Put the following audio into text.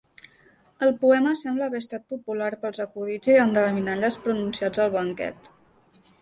El poema sembla haver estat popular pels acudits i endevinalles pronunciats al banquet.